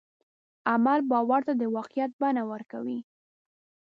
عمل باور ته د واقعیت بڼه ورکوي.